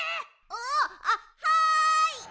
あっはい！